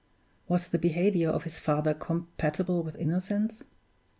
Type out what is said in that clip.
Was the behavior of his father compatible with innocence?